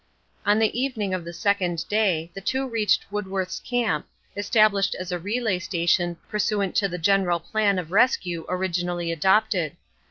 On the evening of the second day, the two reached Woodworth's camp, established as a relay station pursuant to the general plan of rescue originally adopted.